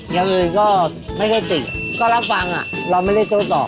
อย่างอื่นก็ไม่ได้ติดก็รับฟังเราไม่ได้โทรต่อ